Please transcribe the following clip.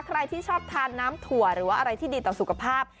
ใครที่ชอบทานน้ำถั่วหรือว่าอะไรที่ดีต่อสุขภาพ